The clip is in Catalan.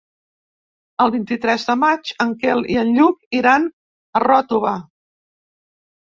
El vint-i-tres de maig en Quel i en Lluc iran a Ròtova.